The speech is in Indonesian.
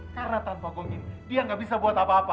karena tanpa gondong ini dia gak bisa buat apa apa